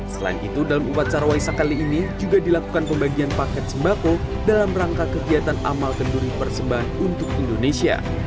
selain itu dalam upacarawai sakali ini juga dilakukan pembagian paket sembako dalam rangka kegiatan amal kenduri persembahan untuk indonesia